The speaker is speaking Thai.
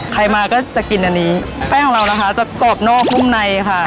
ใครมาก็จะกินอันนี้แป้งของเรานะคะจะกรอบนอกนุ่มในค่ะ